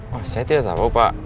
wah saya tidak tahu pak